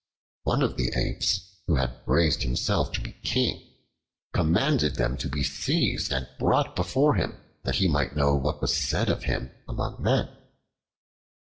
One of the Apes, who had raised himself to be king, commanded them to be seized and brought before him, that he might know what was said of him among men.